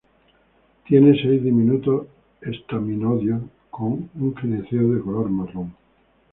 Tiene seis diminutos estaminodios con un gineceo de color marrón.